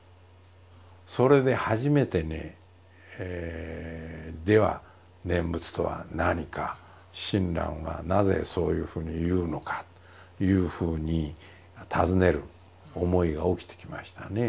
それで初めてねでは念仏とは何か親鸞はなぜそういうふうに言うのかというふうに尋ねる思いが起きてきましたね。